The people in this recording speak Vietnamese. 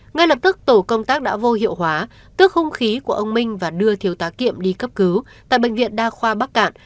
ngay lập tức tổ công tác đã vô hiệu hóa tước hung khí của ông minh và đưa thiếu tá kiệm đi cấp cứu tại bệnh viện đa khoa bắc cạn